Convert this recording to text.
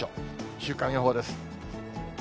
週間予報です。